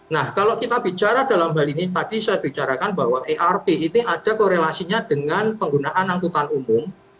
nah kalau kita bicara dalam hal ini tadi saya bicarakan bahwa erp ini ada korelasinya dengan penggunaan angkutan umum